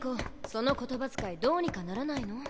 その言葉遣いどうにかならないの？